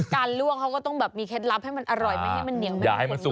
การล่วงเขาก็ต้องแบบมีเคล็ดลับให้มันอร่อยไม่ให้มันเหนียวไม่ให้มันผลด้วย